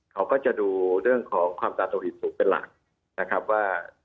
เขาก็จะดูเรื่องของความตาโตผิดถูกเป็นหลักนะครับว่า